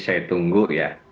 saya tunggu ya